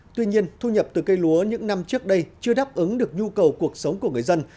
tuy nhiên thu nhập từ cây lúa những năm trước đây chưa đáp ứng được nhu cầu cuộc sống của người dân